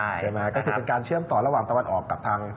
ใช่ไหมฮะก็คือเป็นการเชื่อมต่อระหว่างตะวันออกกับทาง